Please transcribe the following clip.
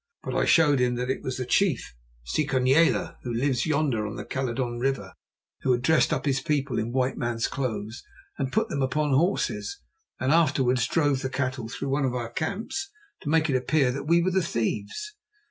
But I showed him that it was the chief, Sikonyela, who lives yonder on the Caledon River, who had dressed up his people in white men's clothes and put them upon horses, and afterwards drove the cattle through one of our camps to make it appear that we were the thieves.